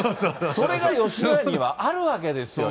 それが吉野家にはあるわけですよ。